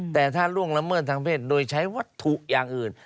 แต่ถ้าล่วงละเมิดทางเพศโดยใช้วัตถุอย่างอื่น